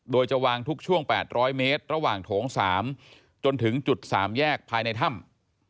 โดยจะวางทุกช่วง๘๐๐เมตรระหว่างโถง๓จนถึงจุด๓แยกภายในถ้ำ